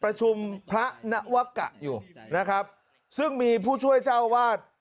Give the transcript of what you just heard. ประชุมพระนวกะอยู่นะครับซึ่งมีผู้ช่วยเจ้าวาด